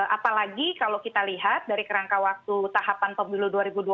apalagi kalau kita lihat dari kerangka waktu tahapan pemilu dua ribu dua puluh